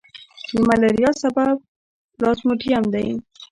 د ملیریا سبب پلازموډیم دی.